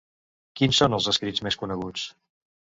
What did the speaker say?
Quins són els escrits més coneguts?